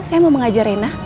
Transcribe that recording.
saya mau mengajar rina